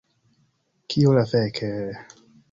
Kio la fek...